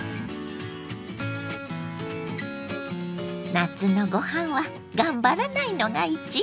夏のご飯は頑張らないのが一番！